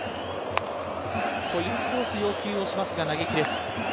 インコース要求をしますが投げきれず。